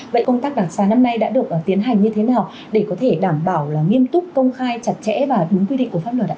vậy công tác đảng sáng năm nay đã được tiến hành như thế nào để có thể đảm bảo là nghiêm túc công khai chặt chẽ và đúng quy định của pháp luật ạ